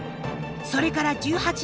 それから１８年。